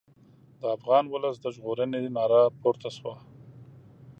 د افغان ولس د ژغورنې ناره پورته شوه.